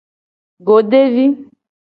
Godevi.